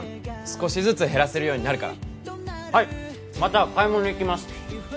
少しずつ減らせるようになるからはいまた買い物行きます